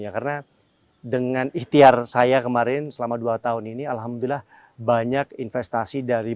karena dengan ikhtiar saya kemarin selama dua tahun ini alhamdulillah banyak investasi dari bandung barat